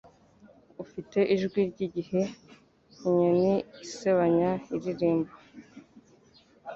Ufite ijwi ryigihe inyoni isebanya iririmba.